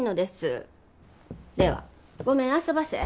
ではごめんあそばせ。